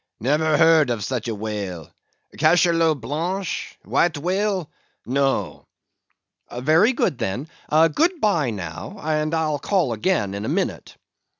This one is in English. "Never heard of such a whale. Cachalot Blanche! White Whale—no." "Very good, then; good bye now, and I'll call again in a minute."